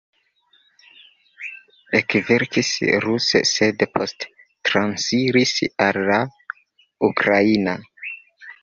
Ekverkis ruse, sed poste transiris al la ukraina.